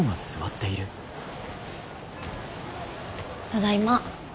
ただいま。